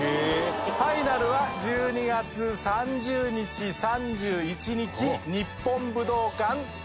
ファイナルは１２月３０日３１日日本武道館２デイズです。